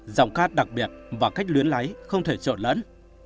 giọng ca đặc biệt và cách luyến lái không thể trộn lẫn